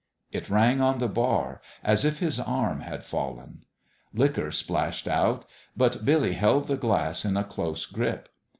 It rang on the bar as if his arm had fallen. Liquor splashed out ; but Billy held the glass in a close grip.